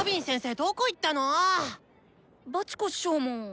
どこいったの⁉バチコ師匠も。